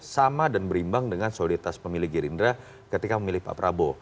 sama dan berimbang dengan soliditas pemilih gerindra ketika memilih pak prabowo